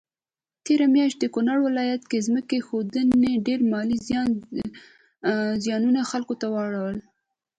تيره مياشت د کونړ ولايت کي ځمکي ښویدني ډير مالي ځانی زيانونه خلکوته واړول